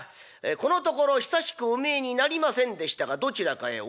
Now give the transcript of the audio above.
『このところ久しくお見えになりませんでしたがどちらかへお出かけで？』。